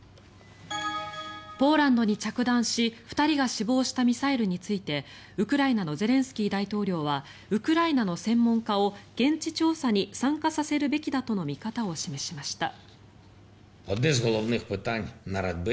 ポーランドに着弾し２人が死亡したミサイルについてウクライナのゼレンスキー大統領はウクライナの専門家を現地調査に参加させるべきだとの見方を示しました。